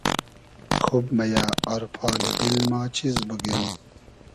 خوب مئیۂ آر پالی دیل ما چیز بوگیم